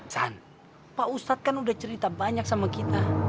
pak ustadz kan udah cerita banyak sama kita